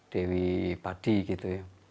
dewi padi gitu ya